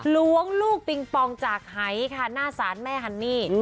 ล้วงลูกปิงปองจากหายค่ะหน้าศาลแม่ฮันนี่